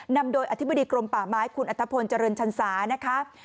นำโดยอธิบดีกรมป่าไม้คุณอัตภพลเจริญชันศานะคะ